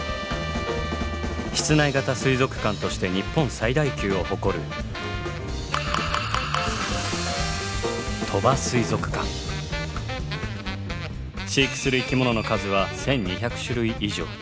室内型水族館として日本最大級を誇る飼育する生き物の数は１，２００種類以上。